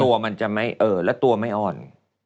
ตัวมันจะไม่เอ่อแล้วตัวไม่อ่อน